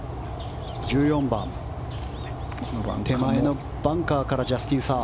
１４番、手前のバンカーからジャスティン・サー。